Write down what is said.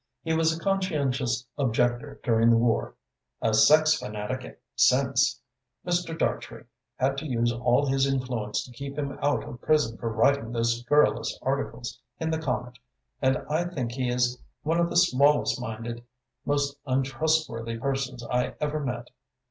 "He was a conscientious objector during the war, a sex fanatic since Mr. Dartrey had to use all his influence to keep him out of prison for writing those scurrulous articles in the Comet and I think he is one of the smallest minded, most untrustworthy persons I ever met.